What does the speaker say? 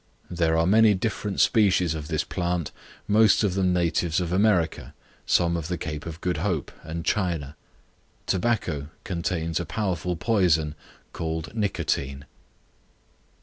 There are many different species of this plant, most of them natives of America, some of the Cape of Good Hope and China. Tobacco contains a powerful poison called nicotine.